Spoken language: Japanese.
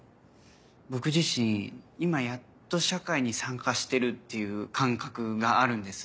僕自身今やっと社会に参加してるっていう感覚があるんです。